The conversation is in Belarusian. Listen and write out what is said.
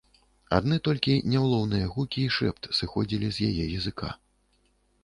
Адны толькі няўлоўныя гукі і шэпт сыходзілі з яе языка.